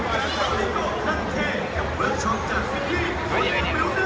วันนี้ก็เป็นปีนี้